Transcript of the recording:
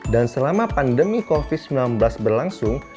dan selama pandemi covid sembilan belas berlangsung